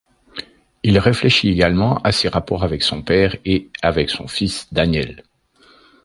Il réfléchit également à ses rapports avec son père et avec son fils Daniel.